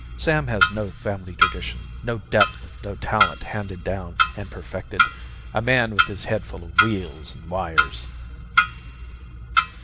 Sam has no family tradition, no depth, no talent handed down and perfected. A man with his head full of wheels and wires."